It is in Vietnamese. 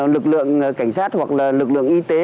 lực lượng cảnh sát hoặc là lực lượng y tế